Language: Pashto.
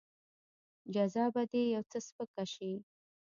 جزا به دې يو څه سپکه شي.